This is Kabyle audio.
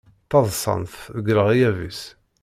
Ttaḍsan-t deg leɣyab-is.